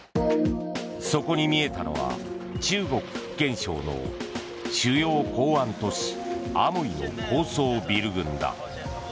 そこに見えたのは中国・福建省の主要港湾都市アモイの高層ビル群だ。